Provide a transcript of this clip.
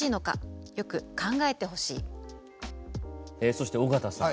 そして、尾形さん。